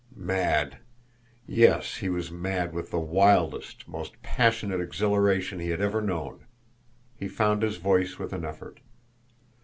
Mad! Yes he was mad with the wildest, most passionate exhilaration he had ever known. He found his voice with an effort.